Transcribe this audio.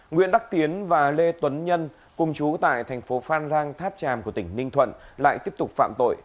nguyễn đắc tiến và lê tuấn nhân cùng chú tại thành phố phan rang tháp tràm của tỉnh ninh thuận lại tiếp tục phạm tội